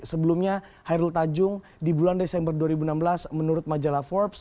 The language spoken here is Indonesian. sebelumnya hairul tanjung di bulan desember dua ribu enam belas menurut majalah forbes